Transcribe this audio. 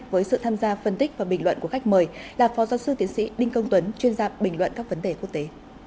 với sự tham gia phân tích và bình luận của khách mời là phó giáo sư tiến sĩ đinh công tuấn chuyên gia bình luận các vấn đề quốc tế